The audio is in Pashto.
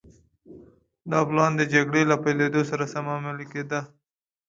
دا پلان د جګړې له پيلېدو سره سم عملي کېده.